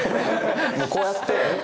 こうやって。